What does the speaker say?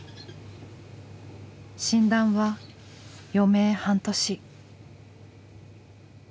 診断は余命半年。